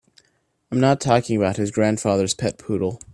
I'm not talking about his grandfather's pet poodle.